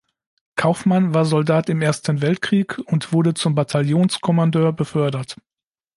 Kauffmann war Soldat im Ersten Weltkrieg und wurde zum Bataillonskommandeur befördert.